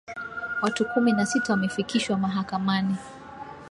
Watu kumi na sita wamefikishwa mahakamani